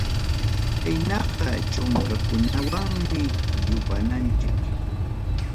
Chaynaqa chunkakunawanmi yupananchik.